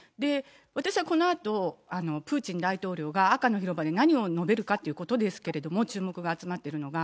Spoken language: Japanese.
私はこのあとプーチン大統領が赤の広場で何を述べるかということですけれども、注目が集まってるのが。